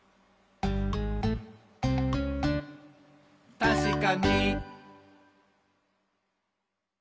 「たしかに！」